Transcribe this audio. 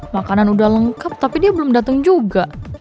makanan udah lengkap tapi dia belum datang juga